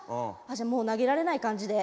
じゃあもう投げられない感じで。